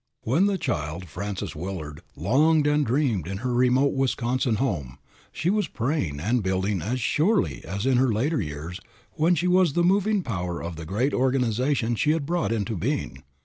When the child, Frances Willard, longed and dreamed in her remote Wisconsin home, she was praying and building as surely as in her later years when she was the moving power of the great organization she had brought into being.